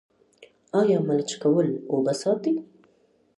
آیا ملچ کول اوبه ساتي؟